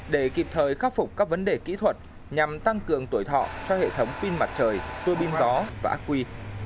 để kịp thời khắc phục các vấn đề kỹ thuật nhằm tăng cường tuổi thọ cho hệ thống pin mặt trời tuô pin gió và ác quy